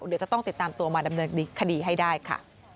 เดี๋ยวจะต้องติดตามตัวมาดำเนินคดีให้ได้ค่ะ